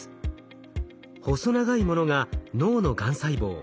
細長いものが脳のがん細胞。